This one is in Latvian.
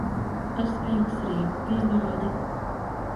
Kas veiks riepu piegādi?